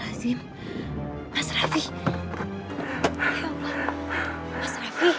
mas kenapa mas